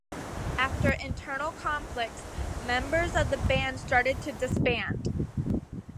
After internal conflicts, members of the band started to disband.